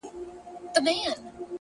عاجزي د انسان ارزښت لوړوي!